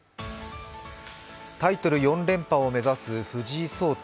タイトル４連覇を目指す藤井聡太